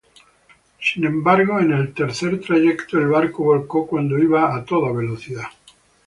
Sin embargo, en el tercer trayecto el barco volcó cuando iba a toda velocidad.